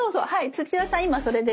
土屋さん今それです。